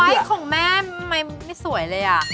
ไว้ของแม่ไม่สวยเลย